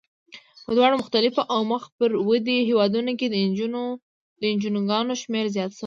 په دواړو پرمختللو او مخ پر ودې هېوادونو کې د انجوګانو شمیر زیات شوی.